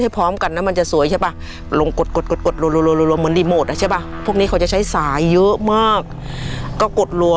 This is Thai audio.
พวกนี้เขาจะใช้สายเยอะมากก็กดลว์